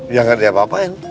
ya gak diapapain